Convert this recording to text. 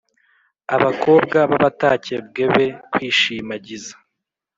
Abakobwa b’abatakebwe be kwishimagiza